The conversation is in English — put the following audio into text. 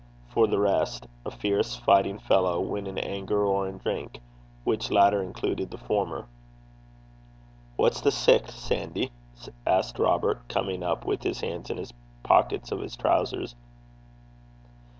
for the rest a fierce, fighting fellow when in anger or in drink, which latter included the former. 'What's the sicht, Sandy?' asked Robert, coming up with his hands in the pockets of his trowsers.